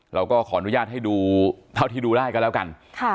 เราก็ขออนุญาตให้ดูเท่าที่ดูได้ก็แล้วกัน